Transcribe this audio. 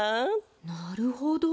なるほど。